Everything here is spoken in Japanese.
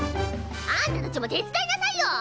あんたたちも手伝いなさいよ！